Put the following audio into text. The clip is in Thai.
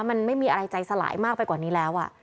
มันไม่มีอะไรใจสลายมากไปกว่านี้แล้ว